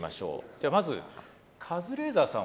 じゃあまずカズレーザーさん